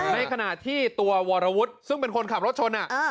ในขณะที่ตัววรวุฒิซึ่งเป็นคนขับรถชน